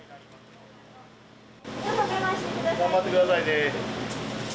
頑張ってくださいね。